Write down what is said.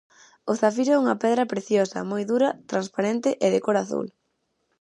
O zafiro é unha pedra preciosa, moi dura, transparente e de cor azul.